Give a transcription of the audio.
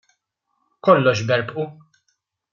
Kollox berbqu!